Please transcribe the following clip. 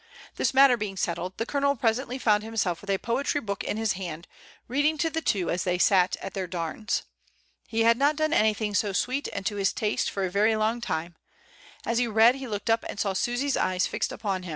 This matter being settled, the Colonel presently found himself with a poetry book in his hand, reading to the two as they sat at their darns. He had not done anything so sweet and to his taste for a very long time; as he read he looked up and saw Susy's eyes fixed upon THE ATELIER.